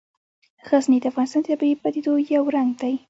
غزني د افغانستان د طبیعي پدیدو یو رنګ دی.